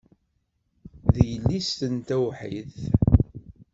D yelli-tsen tawḥidt.